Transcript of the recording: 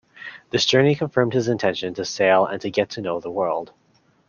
This journey confirmed his intention to sail and to get to know the world.